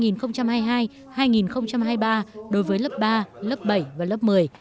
năm học hai nghìn hai mươi ba đối với lớp ba lớp bảy và lớp một mươi